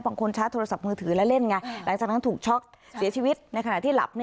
ชาร์จโทรศัพท์มือถือแล้วเล่นไงหลังจากนั้นถูกช็อกเสียชีวิตในขณะที่หลับ